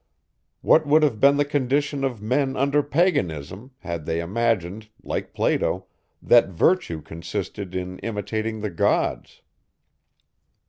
What would have been the condition of men under paganism, had they imagined, like Plato, that virtue consisted in imitating the gods!